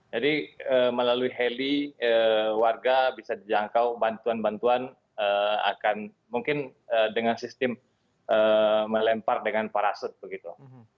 jadi melalui heli warga bisa dijangkau bantuan bantuan akan mungkin dengan sistem melempar dengan parasut begitu